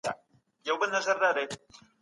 تر پرون پورې مي کار نه و خلاص سوی.